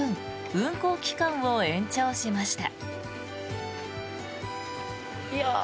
運行期間を延長しました。